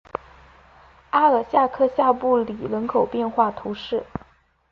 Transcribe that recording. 阿尔夏克下布里人口变化图示